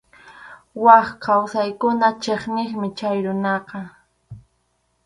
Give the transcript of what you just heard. Wak kawsaqkuna chiqniqmi chay runaqa.